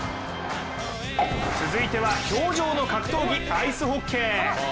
続いては氷上の格闘技、アイスホッケー。